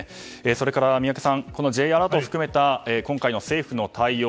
それから宮家さんこのＪアラートを含めた政府の対応